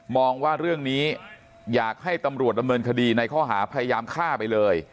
ว่าเรื่องนี้อยากให้ตำรวจดำเนินคดีในข้อหาพยายามฆ่าไปเลย